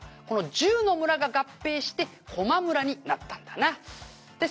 この１０の村が合併して高麗村になったんだな」